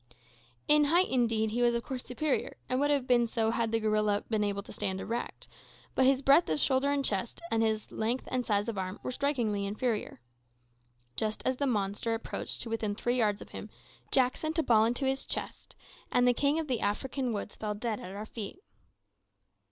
In height, indeed, he was of course superior, and would have been so had the gorilla been able to stand erect, but his breadth of shoulder and chest, and his length and size of arm, were strikingly inferior. Just as the monster approached to within three yards of him, Jack sent a ball into its chest, and the king of the African woods fell dead at our feet!